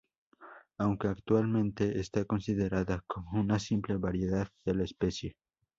Aunque actualmente está considerada como una simple variedad de la especie.